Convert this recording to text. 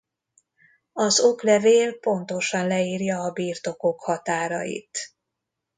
Az oklevél pontosan leírja a birtokok határait.